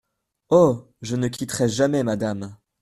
Oh ! je ne quitterai jamais Madame !